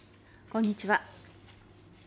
こんにちは。